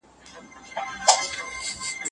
هره عادلانه پرېکړه چې وشي، سوله نوره هم ټینګېږي.